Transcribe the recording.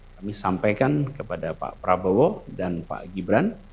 kami sampaikan kepada pak prabowo dan pak gibran